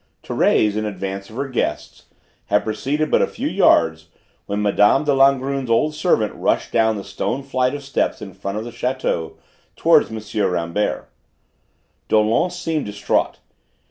Thérèse, in advance of her guests, had proceeded but a few yards when Mme. de Langrune's old servant rushed down the stone flight of steps in front of the château, towards M. Rambert. Dollon seemed distraught.